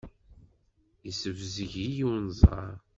Yessebzeg-iyi unẓar.